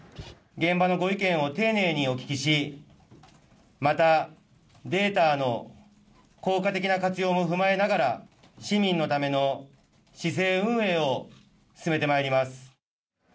現場のご意見を丁寧にお聞きし、またデータの効果的な活用も踏まえながら、市民のための市政運営を進めてまいります。